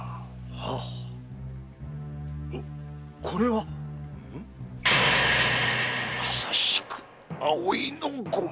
あッこれはまさしく葵の御紋。